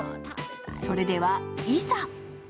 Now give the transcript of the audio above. それでは、いざ！